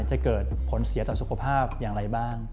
จะเกิดผลเสียต่อสุขภาพอย่างไรบ้าง